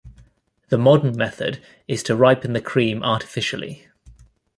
The modern method is to ripen the cream artificially.